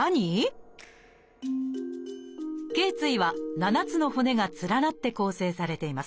頚椎は７つの骨が連なって構成されています。